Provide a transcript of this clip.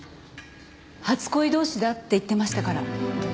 初恋同士だって言ってましたから。